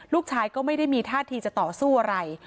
ลูกชายก็ไม่ได้มีท่าทีจะต่อสู้อะไร